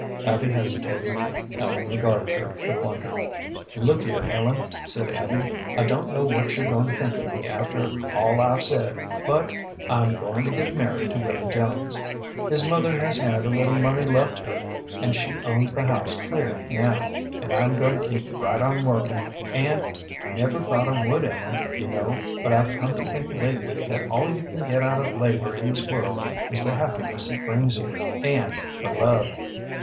Abby hesitated. Ellen regarded her with wonder. "Look here, Ellen," said Abby; "I don't know what you're going to think of me after all I've said, but I'm going to get married to Willy Jones. His mother has had a little money left her, and she owns the house clear now, and I'm going to keep right on working; and I never thought I would, Ellen, you know; but I've come to think lately that all you can get out of labor in this world is the happiness it brings you, and the love.